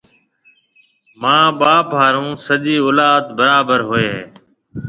مان ٻاپ هارون سجِي اولاد برابر هوئي هيَ۔